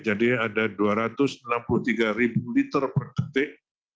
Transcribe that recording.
jadi ada dua ratus enam puluh tiga ribu liter per detik